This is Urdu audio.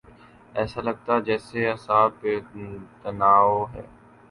ایسا لگتاہے جیسے اعصاب پہ تناؤ ہے۔